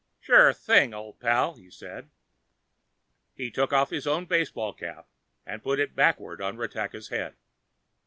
"Sure thing, old pal," he said. He took off his own baseball cap and put it backward on Ratakka's head.